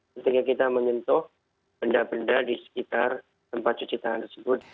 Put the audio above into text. ketika kita menyentuh benda benda di sekitar tempat cuci tangan tersebut